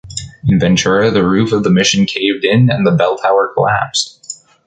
In Ventura the roof of the mission caved in and the bell tower collapsed.